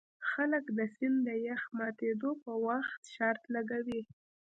خلک د سیند د یخ ماتیدو په وخت شرط لګوي